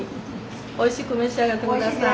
おいしく召し上がって下さい。